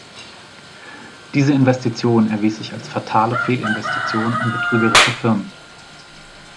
Diese Investition erwies sich als fatale Fehlinvestition in betrügerische Firmen.